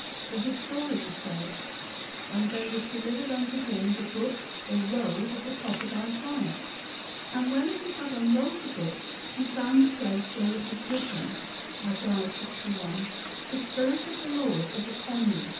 The historian says: "And there was delivered unto him the book (or roll) of the prophet Isaiah, and when he had unrolled the book he found the place where it is written (Isaiah lxi.): The spirit of the Lord is upon me.